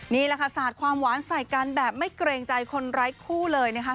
นี่แหละค่ะสาดความหวานใส่กันแบบไม่เกรงใจคนไร้คู่เลยนะคะ